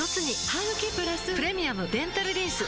ハグキプラス「プレミアムデンタルリンス」